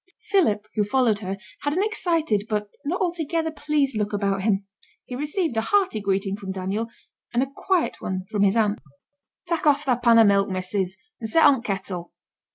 Philip, who followed her, had an excited, but not altogether pleased look about him. He received a hearty greeting from Daniel, and a quiet one from his aunt. 'Tak' off thy pan o' milk, missus, and set on t' kettle.